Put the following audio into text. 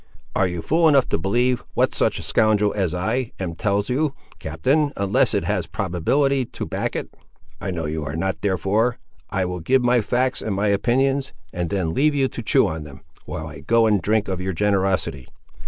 "Are you fool enough to believe what such a scoundrel as I am tells you, captain, unless it has probability to back it? I know you are not: therefore I will give my facts and my opinions, and then leave you to chew on them, while I go and drink of your generosity.